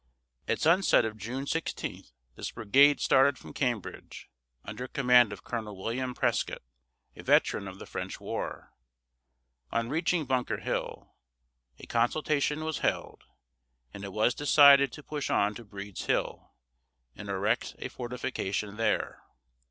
At sunset of June 16 this brigade started from Cambridge, under command of Colonel William Prescott, a veteran of the French War. On reaching Bunker Hill, a consultation was held, and it was decided to push on to Breed's Hill, and erect a fortification there.